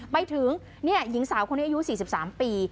ไปถึงหญิงสาวคนนี้อายุ๔๓ปี